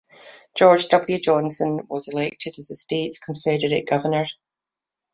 George W. Johnson was elected as the state's Confederate governor.